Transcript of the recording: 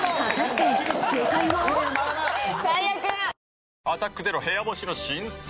わかるぞ「アタックＺＥＲＯ部屋干し」の新作。